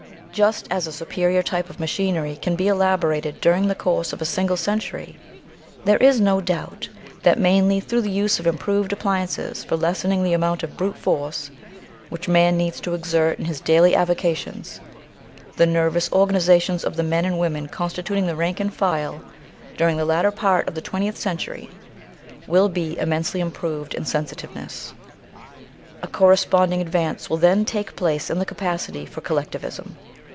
Just as a superior type of machinery can be elaborated during the course of a single century, there is no doubt that mainly through the use of improved appliances for lessening the amount of brute force which man needs to exert in his daily avocations the nervous organisations of the men and women constituting the rank and file during the latter part of the twentieth century will be immensely improved in sensitiveness. A corresponding advance will then take place in the capacity for collectivism.